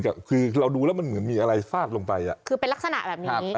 แต่คือเราดูแล้วมันเหมือนมีอะไรฟาดลงไปอ่ะคือเป็นลักษณะแบบนี้